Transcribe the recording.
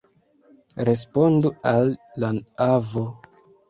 Respondu al la avo!